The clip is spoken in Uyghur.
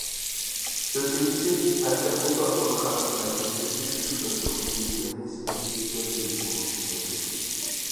تۆتىنچىسى، پەن- تېخنىكا ئارقىلىق خەلققە نەپ يەتكۈزۈش تۈرلىرىنىڭ ئىگىلىگەن نىسبىتى گەۋدىلىك بولۇش دېگەندەك.